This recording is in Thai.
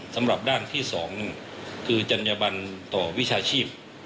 สำหรับด้านที่๒คือจัญญบันต่อวิชาชีพ